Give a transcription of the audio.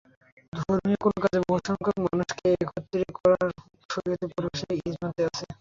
ধর্মীয় কোনো কাজে বহুসংখ্যক মানুষকে একত্র করাকে শরিয়তের পরিভাষায় ইজতেমা বলে।